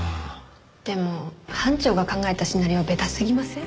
でも班長が考えたシナリオベタすぎません？